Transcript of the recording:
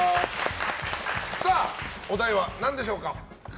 お題は何でしょうか？